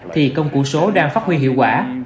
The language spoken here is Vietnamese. thì công cụ số đang phát huy hiệu quả